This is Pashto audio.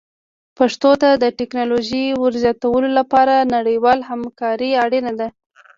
پښتو ته د ټکنالوژۍ ور زیاتولو لپاره نړیواله همکاري اړینه ده.